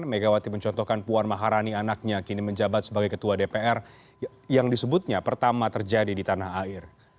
megawati mencontohkan puan maharani anaknya kini menjabat sebagai ketua dpr yang disebutnya pertama terjadi di tanah air